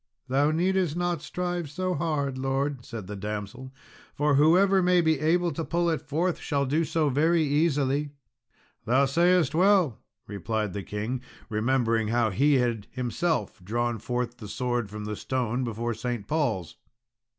"Thou needest not strive so hard, Lord," said the damsel, "for whoever may be able to pull it forth shall do so very easily." "Thou sayest well," replied the king, remembering how he had himself drawn forth the sword from the stone before St. Paul's.